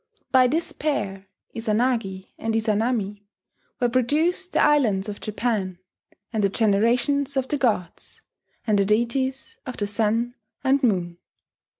By this pair, Izanagi and Izanami, were produced the islands of Japan, and the generations of the gods, and the deities of the Sun and Moon.